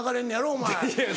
お前。